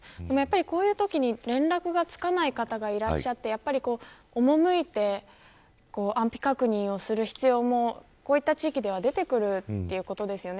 こういうときに連絡がつかない方がいらっしゃって赴いて安否確認をする必要もこういった地域では出てくるということですよね。